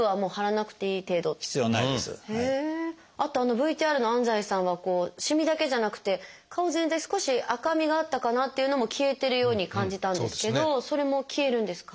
あとあのＶＴＲの安西さんはしみだけじゃなくて顔全体少し赤みがあったかなっていうのも消えてるように感じたんですけどそれも消えるんですか？